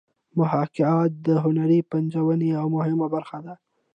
محاکات د هنري پنځونې یوه مهمه برخه ده